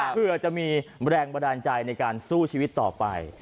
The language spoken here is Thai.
เพื่อจะมีแรงบันดาลใจในการสู้ชีวิตต่อไป